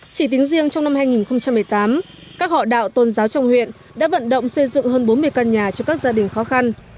chỉ tính riêng trong năm hai nghìn một mươi tám các họ đạo tôn giáo trong huyện đã vận động xây dựng hơn bốn mươi căn nhà cho các gia đình khó khăn